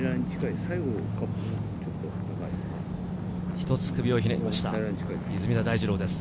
一つ首をひねりました、出水田大二郎です。